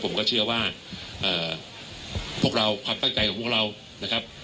ผมก็เชื่อว่าพวกเราความตั้งใจของพวกเรานะครับ